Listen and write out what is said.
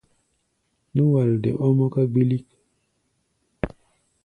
Nú-walde ɔ́ mɔ́ká gbilik.